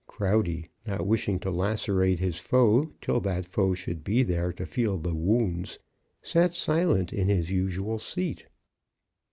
Crowdy, not wishing to lacerate his foe till that foe should be there to feel the wounds, sat silent in his usual seat.